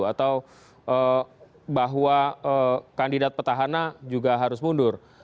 atau bahwa kandidat petahana juga harus mundur